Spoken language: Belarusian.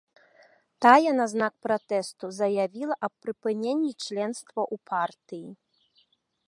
Тая на знак пратэсту заявіла аб прыпыненні членства ў партыі.